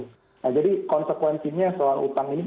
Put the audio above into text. nah jadi konsekuensinya soal utang ini